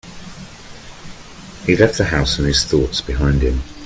He left the house and his thoughts behind him.